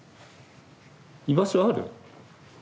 居場所ある？